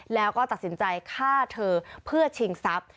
แล้วก็ตัดสินใจฆ่าเธอเพื่อชิงทรัพย์